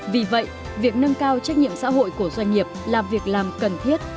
vì vậy việc nâng cao trách nhiệm xã hội của doanh nghiệp là việc làm cần thiết